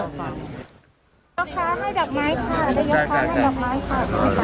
นายยกค้าให้ดอกไม้ค่ะนายยกค้าให้ดอกไม้ค่ะ